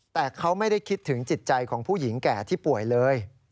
แต่เขาไม่ได้คิดถึงจิตใจของผู้หญิงแก่ที่ป่วยเลย